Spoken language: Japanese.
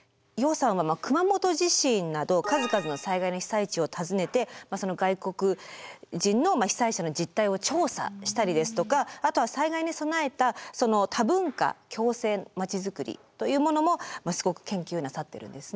楊さんは熊本地震など数々の災害の被災地を訪ねてその外国人の被災者の実態を調査したりですとかあとは災害に備えた多文化共生まちづくりというものもすごく研究なさってるんですね。